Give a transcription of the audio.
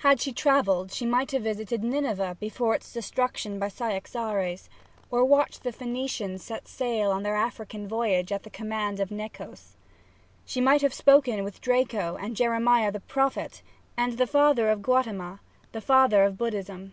Had she travelled she might have visited Nineveh before its destruction by Cyaxares, or watched the Phoenicians set sail on their African voyage at the command of Nechos. She might have spoken with Draco and Jeremiah the Prophet and the father of Gautama the founder of Buddhism.